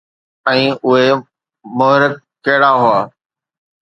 ۽ اهي محرڪ ڪهڙا هئا؟